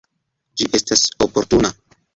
Ĝi estas oportuna.